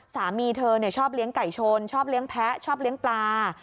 สามีเธอชอบเลี้ยงไก่ชนชอบเลี้ยงแพ้ชอบเลี้ยงปลา